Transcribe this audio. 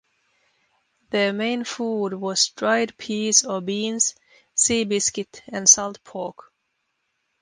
Their main food was dried peas or beans, sea biscuit, and salt pork.